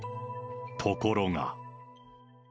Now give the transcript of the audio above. ところが。